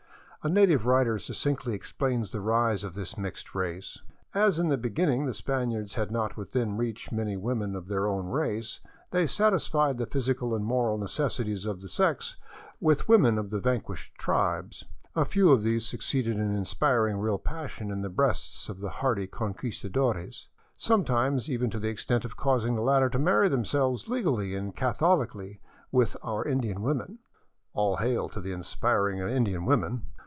A native writer succinctly explains the rise of this mixed race :" As in the beginning the Spaniards had not within reach many women of their own race, they satisfied the physical and moral necessities of the sex with women of the vanquished tribes. ... A few of these suc ceeded in inspiring real passion in the breasts of the hardy Conquista dores, sometimes even to the extent of causing the latter to marry themselves legally and Catholiely with our Indian women." All hail to the inspiring Indian women